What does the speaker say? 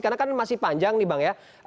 karena kan masih panjang nih bang ya